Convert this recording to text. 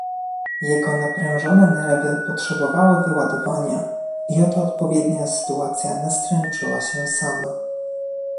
"Jego naprężone nerwy potrzebowały wyładowania i oto odpowiednia sytuacja nastręczyła się sama."